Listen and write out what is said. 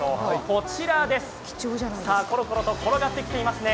こちらです、ころころと転がってきていますね。